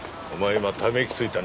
今ため息ついたな。